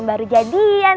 ntar lo juga tau